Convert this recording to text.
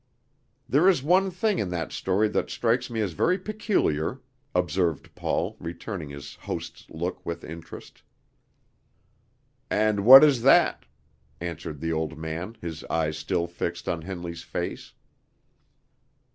"There is one thing in that story that strikes me as very peculiar," observed Paul, returning his host's look with interest. "And what is that?" answered the old man, his eyes still fixed on Henley's face.